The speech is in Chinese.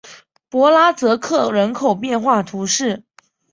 博拉泽克人口变化图示